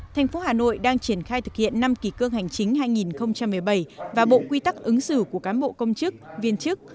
thành phố hà nội đang triển khai thực hiện năm kỳ cương hành chính hai nghìn một mươi bảy và bộ quy tắc ứng xử của cán bộ công chức viên chức